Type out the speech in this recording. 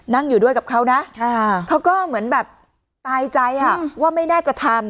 นั่งอยู่ด้วยกับเขานะเขาก็เหมือนแบบตายใจว่าไม่น่าจะทำ